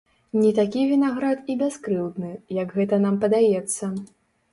Не такі вінаград і бяскрыўдны, як гэта нам падаецца.